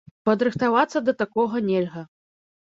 Падрыхтавацца да такога нельга.